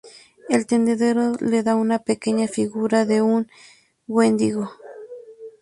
El tendero le da una pequeña figura de un Wendigo.